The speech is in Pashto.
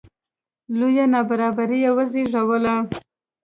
لویه نابرابري یې وزېږوله